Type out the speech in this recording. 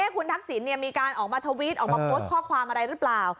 คุณทักษิณมีการออกมาทวิตออกมาโพสต์ข้อความอะไรหรือเปล่า